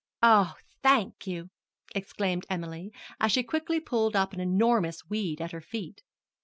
"Oh, thank you!" exclaimed Emily, as she quickly pulled up an enormous weed at her feet.